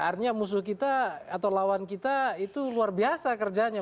artinya musuh kita atau lawan kita itu luar biasa kerjanya